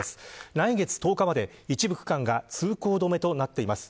来月１０日まで、一部区間が通行止めとなっています。